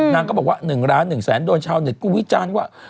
นางก็บอกว่า๑ล้าน๑แสนโดนชาวเน็ตก็วิจารณ์ว่า